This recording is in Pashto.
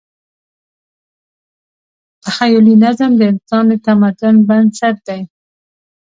تخیلي نظم د انسان د تمدن بنسټ دی.